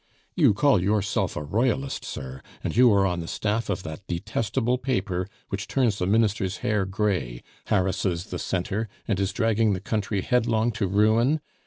"You call yourself a Royalist, sir, and you are on the staff of that detestable paper which turns the Minister's hair gray, harasses the Centre, and is dragging the country headlong to ruin?